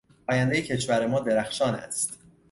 آیندهی کشور ما درخشان است.